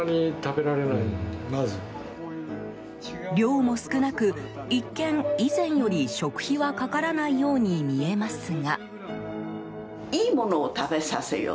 量も少なく一見、以前より食費はかからないように見えますが。